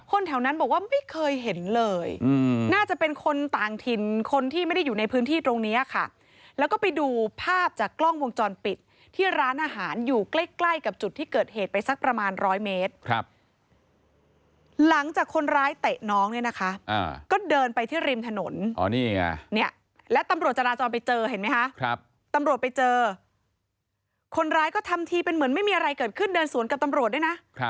ก็ได้กล้องหน้ารถเขานะคะแล้วเราดูแล้วเป็นยังไงโอ้จะเจ็บปวดมากเลยเถื่อนใจ